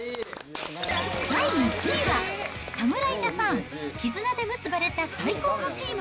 第１位は、侍ジャパン、絆で結ばれた最高のチーム！